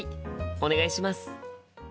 お願いします。